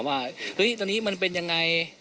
ว่าตอนนี้มันเป็นยังไง